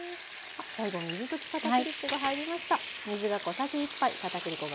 最後に水溶き片栗粉が入りました。